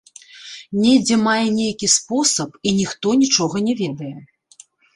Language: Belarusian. Недзе мае нейкі спосаб, і ніхто нічога не ведае.